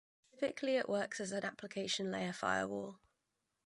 Typically it works as an application layer firewall.